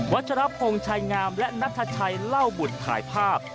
ัชรพงศ์ชายงามและนัทชัยเล่าบุตรถ่ายภาพ